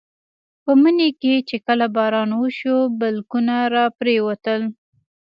په مني کې چې کله باران وشو بلګونه راپرېوتل.